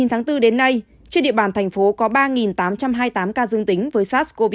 tính từ ngày hai mươi chín tháng bốn đến nay trên địa bàn thành phố có ba tám trăm hai mươi tám ca dương tính với sars cov hai